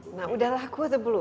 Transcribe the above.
nah udah laku atau belum